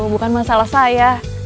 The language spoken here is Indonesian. bukan masalah saya